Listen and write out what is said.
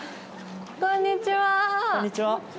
こんにちは。